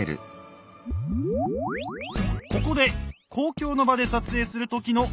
ここで公共の場で撮影する時の注意点。